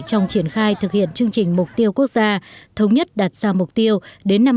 trong triển khai thực hiện chương trình mục tiêu quốc gia thống nhất đặt ra mục tiêu đến năm hai nghìn hai mươi